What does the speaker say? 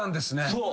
そう。